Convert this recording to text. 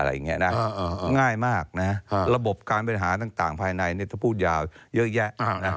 อะไรเงี้ยนะง่ายแบบม่กนะเพื่อระบบการเป็นหาต่างภายในอินาทีพูดยาวเยอะแยะ